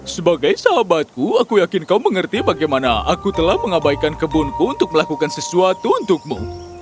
sebagai sahabatku aku yakin kau mengerti bagaimana aku telah mengabaikan kebunku untuk melakukan sesuatu untukmu